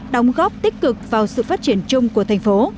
đóng góp tích cực vào sự phát triển chung của thành phố